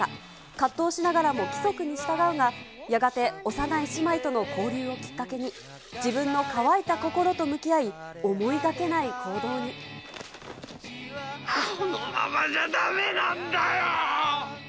葛藤しながらも、規則に従うが、やがて幼い姉妹との交流をきっかけに、自分のかわいた心と向き合このままじゃだめなんだよ！